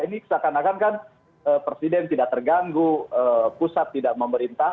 ini seakan akan kan presiden tidak terganggu pusat tidak memerintah